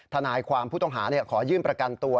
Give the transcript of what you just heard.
ทนายความผู้ต้องหาขอยื่นประกันตัว